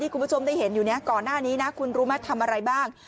คุณผู้ชมได้เห็นอยู่ก่อนหน้านี้นะคุณรู้ไหมทำอะไรบ้าง